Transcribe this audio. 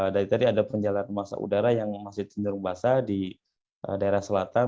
dari tadi ada penjalanan masa udara yang masih cenderung basah di daerah selatan